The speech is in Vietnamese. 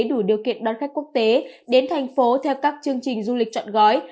đủ điều kiện đón khách quốc tế đến thành phố theo các chương trình du lịch trọn gói